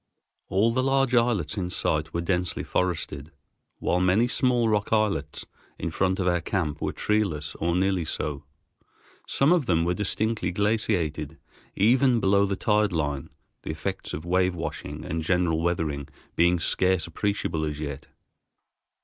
All the large islands in sight were densely forested, while many small rock islets in front of our camp were treeless or nearly so. Some of them were distinctly glaciated even belong the tide line, the effects of wave washing and general weathering being scarce appreciable as yet.